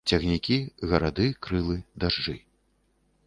Цягнікі, гарады, крылы, дажджы.